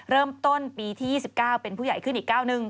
เริ่มต้นปีที่๒๙เป็นผู้ใหญ่ขึ้นอีก๙๑